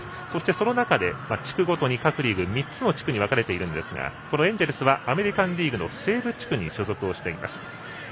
そしてその中で地区ごとに各リーグが３つの地区に分かれているんですがエンジェルスはアメリカンリーグの西部地区に所属をしています。